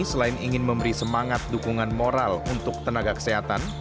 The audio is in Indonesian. selain ingin memberi semangat dukungan moral untuk tenaga kesehatan